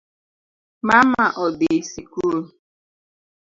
Mama odhii sikul